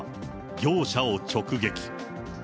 業者を直撃。